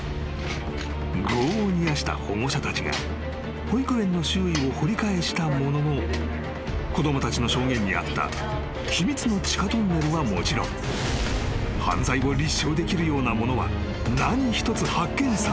［業を煮やした保護者たちが保育園の周囲を掘り返したものの子供たちの証言にあった秘密の地下トンネルはもちろん犯罪を立証できるようなものは何一つ発見されなかった］